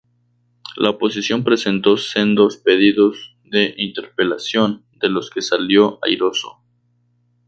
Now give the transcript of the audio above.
La oposición presentó sendos pedidos de interpelación de los que salió airoso.